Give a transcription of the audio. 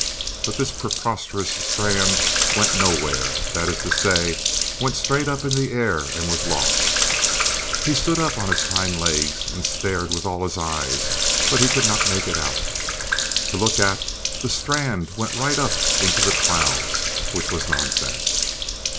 But this preposterous strand went nowhere that is to say, went straight up in the air and was lost. He stood up on his hind legs and stared with all his eyes, but he could not make it out. To look at, the strand went right up into the clouds, which was nonsense.